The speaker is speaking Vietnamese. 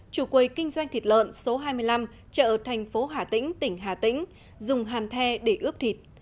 chủ quầy kinh doanh thịt lợn số hai mươi năm chợ thành phố hà tĩnh tỉnh hà tĩnh dùng hàn the để ướp thịt